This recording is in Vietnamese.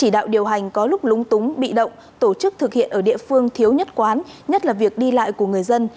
đạo điều hành có lúc lúng túng bị động tổ chức thực hiện ở địa phương thiếu nhất quán nhất là việc đi lại của người dân